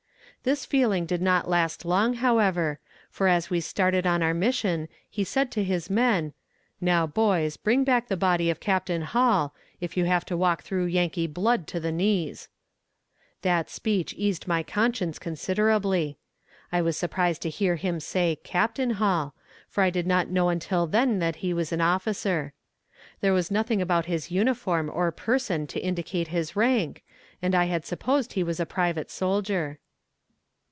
This feeling did not last long, however, for as we started on our mission he said to his men: "Now, boys, bring back the body of Captain Hall, if you have to walk through Yankee blood to the knees." That speech eased my conscience considerably. I was surprised to hear him say "Captain Hall," for I did not know until then that he was an officer. There was nothing about his uniform or person to indicate his rank, and I had supposed he was a private soldier.